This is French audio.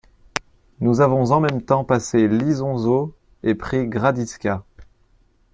Nous avons en même temps passé l'Isonzo et pris Gradisca.